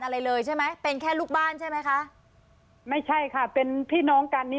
อะไรเลยใช่ไหมเป็นแค่ลูกบ้านใช่ไหมคะไม่ใช่ค่ะเป็นพี่น้องกันนี่